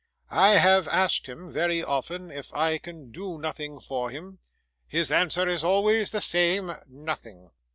I have asked him, very often, if I can do nothing for him; his answer is always the same. "Nothing."